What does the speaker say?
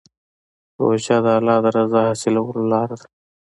روژه د الله د رضا حاصلولو لاره ده.